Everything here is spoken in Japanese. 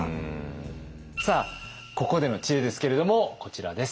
さあここでの知恵ですけれどもこちらです。